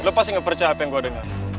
lo pasti gak percaya apa yang gue dengar